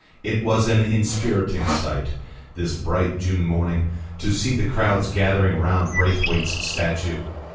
It was an inspiriting sight, this bright June morning, to see the crowds gathering round Braithwaite's statue.